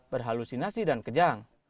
berhalusinasi dan kejang